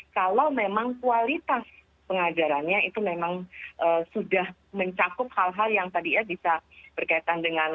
kalau memang kualitas pengajarannya itu memang sudah mencakup hal hal yang tadi ya bisa berkaitan dengan